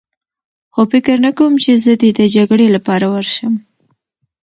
خو فکر نه کوم چې زه دې د جګړې لپاره ورشم.